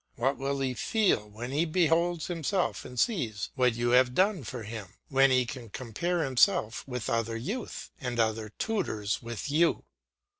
What will he feel, when he beholds himself and sees what you have done for him; when he can compare himself with other youths, and other tutors with you!